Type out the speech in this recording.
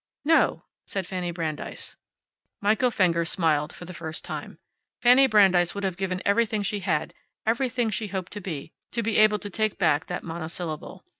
"No," said Fanny Brandeis. Michael Fenger smiled for the first time. Fanny Brandeis would have given everything she had, everything she hoped to be, to be able to take back that monosyllable.